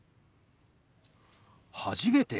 初めて？